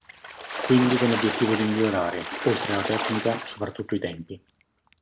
Quindi con l'obiettivo di migliorare, oltre alla tecnica, soprattutto i tempi.